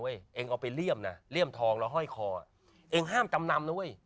เองเอาไปเลี่ยมนะเลี่ยมทองแล้วห้อยคอเองห้ามจำนำนะเว้ย